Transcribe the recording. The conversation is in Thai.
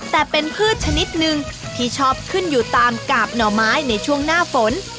แต่เป็นพืชชนิดนึงที่ชอบขึ้นอยู่ตามกาบหน่อไม้ในช่วงหน้าฝน